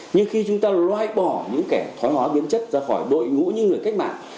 nhưng khi chúng ta loại bỏ những kẻ thoái hóa biến chất ra khỏi đội ngũ những người cách mạng